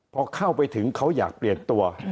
พอเข้าไปถึงเขาอยากเปลี่ยนตัว